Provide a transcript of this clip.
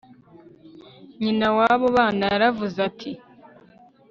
Nyina wabo bana yaravuze ati